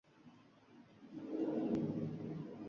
Ustaxonadan tutun hidi anqirdi.